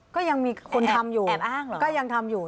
ก็ยังมีคนทำอยู่